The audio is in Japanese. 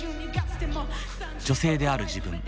女性である自分。